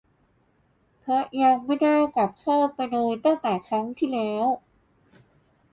เพราะยังไม่ได้กลับเข้าไปเลยตั้งแต่ครั้งที่แล้ว